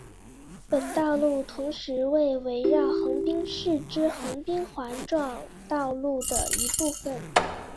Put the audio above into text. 本道路同时为环绕横滨市之横滨环状道路的一部份。